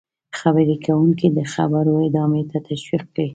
-خبرې کوونکی د خبرو ادامې ته تشویق کړئ: